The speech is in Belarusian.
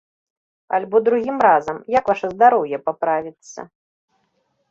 Альбо другім разам, як ваша здароўе паправіцца?